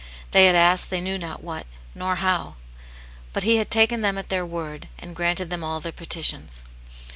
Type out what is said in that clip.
They had asked they knew not what, nor how ; but He had taken them at their word, and granted them all their petitions.